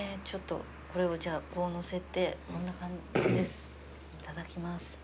ちょっとこれをじゃあこう載せてこんな感じです。